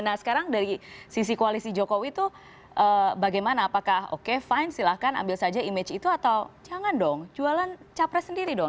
nah sekarang dari sisi koalisi jokowi itu bagaimana apakah oke fine silahkan ambil saja image itu atau jangan dong jualan capres sendiri dong